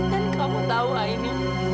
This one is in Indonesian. dan kamu tahu aini